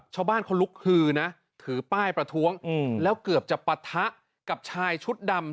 ชาวบ้านเขาลุกฮือนะถือป้ายประท้วงแล้วเกือบจะปะทะกับชายชุดดำ